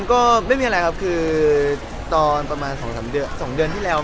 ก็ไม่มีอะไรครับคือตอนประมาณ๒เดือนที่แล้ว